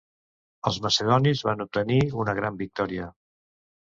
Els macedonis van obtenir una gran victòria.